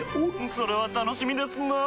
それは楽しみですなぁ。